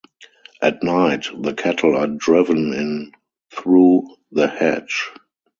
At night the cattle are driven in through the hedge.